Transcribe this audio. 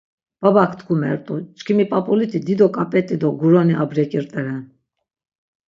Babak tkvumert̆u, çkimi p̆ap̆uliti dido k̆ap̆et̆i do guroni abrek̆i rt̆eren.